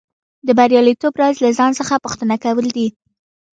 د بریالیتوب راز له ځان څخه پوښتنه کول دي